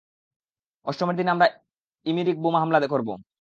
অষ্টমীর দিন আমরা ইমিরিক বোমা হামলা করবো।